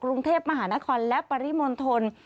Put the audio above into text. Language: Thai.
กรุงเทพมหานครและปริมณฑล